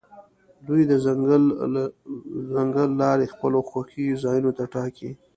دوی د ځنګل لارې خپلو خوښې ځایونو ته ټاکي